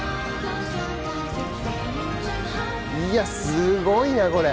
いやすごいなこれ。